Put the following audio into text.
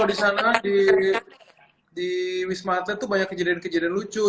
lucu sih kalau di sana di wisma atlet itu banyak kejadian kejadian lucu